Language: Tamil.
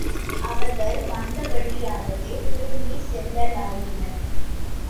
அவர்கள் வந்த வழியாகவே திரும்பிச் செல்லலாயினர்.